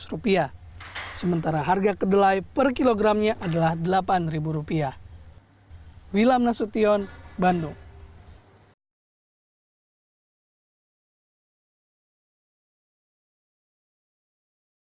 kopti jawa barat menyatakan bahwa ambang betas normal kenaikan harga tahu dan tempe adalah rp dua ratus